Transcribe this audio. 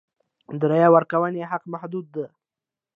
د رایې ورکونې حق محدود و.